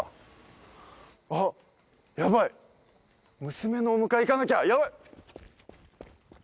娘のお迎え行かなきゃやばい！